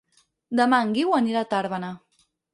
Demà en Guiu anirà a Tàrbena.